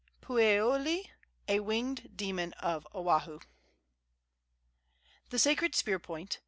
Pueoalii, a winged demon of Oahu. THE SACRED SPEAR POINT.